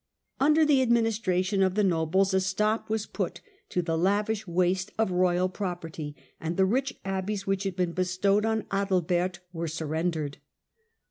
Under the administration of the nobles a stop was put to the lavish waste of royal property, and the rich abbeys which had been bestowed on Adalbert were surrendered.